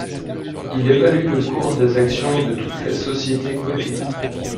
Il évalue le cours des actions de toutes les sociétés cotées.